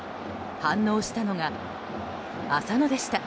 反応したのが浅野でした。